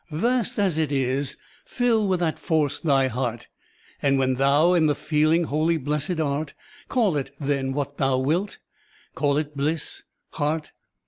«««««« Vast as it is, fill with that force thy heart. And when thou in the feeUng wholly blessed art, Call it, then, what thou wilt, —• Call it Bliss! Heart!